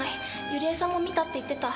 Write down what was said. ユリエさんも見たって言ってた。